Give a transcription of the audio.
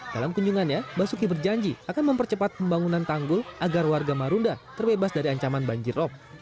dalam kunjungannya basuki berjanji akan mempercepat pembangunan tanggul agar warga marunda terbebas dari ancaman banjirop